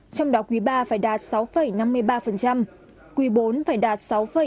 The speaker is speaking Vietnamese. trong đó quý ba phải đạt sáu năm mươi ba quý bốn phải đạt sáu ba mươi sáu